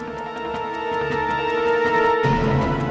semua ini ke arah daya